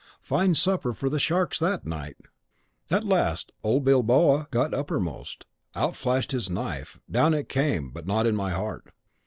Fine supper for the sharks that night! At last old Bilboa got uppermost; out flashed his knife; down it came, but not in my heart.